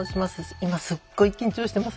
今すっごい緊張してます。